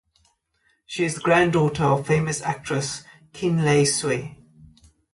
She is the granddaughter of famous actress Khin Lay Swe.